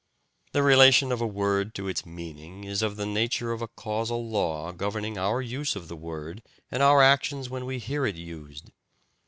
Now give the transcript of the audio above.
The relation of a word to its meaning is of the nature of a causal law governing our use of the word and our actions when we hear it used.